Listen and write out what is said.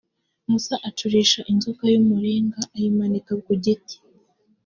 musa acurisha inzoka y’umuringa, ayimanika ku giti.